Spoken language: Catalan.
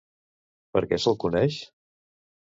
Per què se'l coneix?